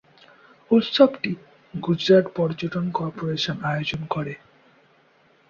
উৎসবটি গুজরাট পর্যটন কর্পোরেশন আয়োজন করে।